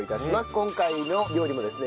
今回の料理もですね